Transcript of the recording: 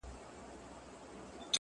هغه چي ځان زما او ما د ځان بولي عالمه’